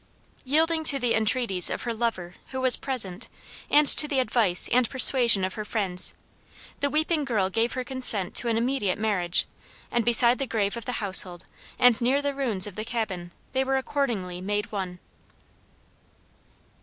Yielding to the entreaties of her lover, who was present, and to the advice and persuasion of her friends, the weeping girl gave her consent to an immediate marriage; and beside the grave of the household and near the ruins of the cabin they were accordingly made one.